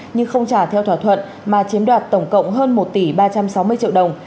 nhưng không trả theo thỏa thuận mà chiếm đoạt tổng cộng hơn một tỷ ba trăm sáu mươi triệu đồng